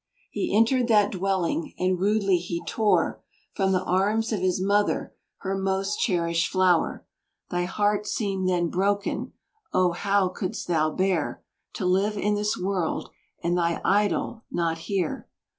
He entered that dwelling, and rudely he tore From the arms of his mother, her most cherished flower. Thy heart seemed then broken, oh! how couldst thou bear To live in this world, and thy idol not here?